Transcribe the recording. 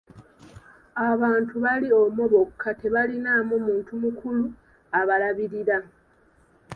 Abantu bali omwo bokka tebaliimu muntu mukulu abalabirira.